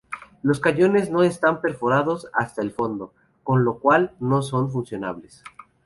Los cañones no están perforados hasta el fondo, con lo cual, no son funcionales.